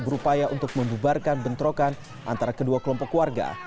berupaya untuk membubarkan bentrokan antara kedua kelompok warga